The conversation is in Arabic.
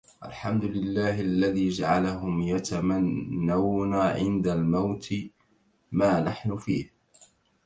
الْحَمْدُ لِلَّهِ الَّذِي جَعَلَهُمْ يَتَمَنَّوْنَ عِنْدَ الْمَوْتِ مَا نَحْنُ فِيهِ